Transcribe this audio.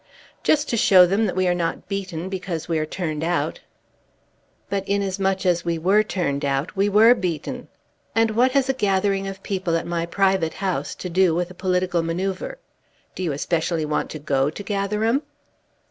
"Just to show them that we are not beaten because we are turned out." "But, inasmuch as we were turned out, we were beaten. And what has a gathering of people at my private house to do with a political manoeuvre? Do you especially want to go to Gatherum?"